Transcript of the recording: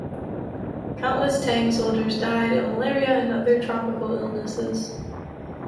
Countless Tang soldiers died of malaria and other tropical illnesses.